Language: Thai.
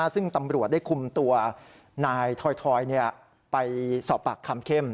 ซึ่งตำรวจได้คุมตัวนายทอยไปสอบปากคำเข้ม